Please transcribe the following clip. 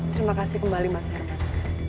terima kasih kembali mas herman